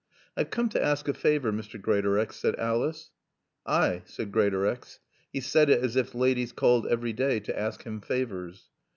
"I've come to ask a favor, Mr. Greatorex," said Alice. "Ay," said Greatorex. He said it as if ladies called every day to ask him favors.